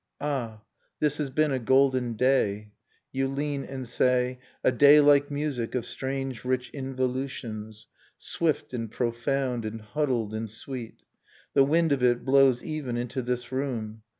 ^ Ah, this has been a golden day, I You lean and say, | A day like music of strange rich involutions, ; Swift and profound and huddled and sweet ...| The wind of it blows even into this room.